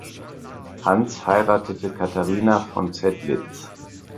Hans heiratete Katharina von Zedlitz.